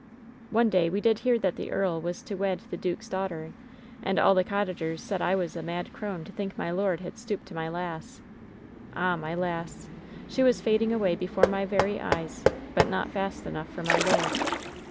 "One day we did hear that the earl was to wed the duke's daughter, and all the cottagers said I was a mad LOVE'S BITTEREST CUP 883 crone to think my lord had stooped to my lass. Ah, my lass ! She was fading away before my very eyes. But not fast enough for my lord.